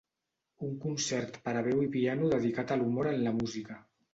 Un concert per a veu i piano dedicat a l'humor en la música.